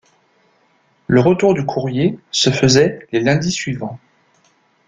Le retour du courrier se faisait les lundis suivant.